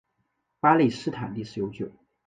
巴勒斯坦历史悠久。